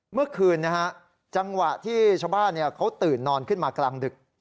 เมื่อคืนนะฮะจังหวะที่ชาวบ้านเขาตื่นนอนขึ้นมากลางดึก